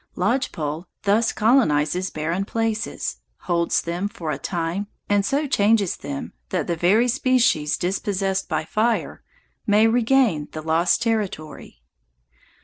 Lodge pole thus colonizes barren places, holds them for a time, and so changes them that the very species dispossessed by fire may regain the lost territory.